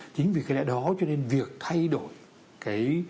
chính vì cái lẽ đó cho nên việc thay đổi cái